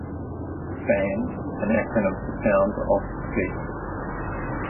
Band- an acronym for Sounds of Success.